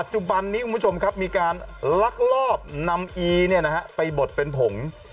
จุบันนี้คุณผู้ชมครับมีการลักลอบนำอีไปบดเป็นผง